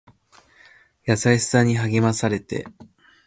優しさに励まされて